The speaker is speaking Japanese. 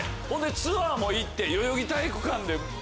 ツアーも行って代々木体育館で。